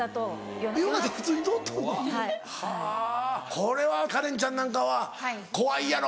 これはカレンちゃんなんかは怖いやろ。